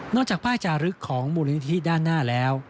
จากป้ายจารึกของมูลนิธิด้านหน้าแล้ว